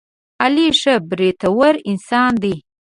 علي ښه برېتور انسان دی.